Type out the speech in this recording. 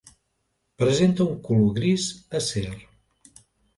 Presenta un color gris acer.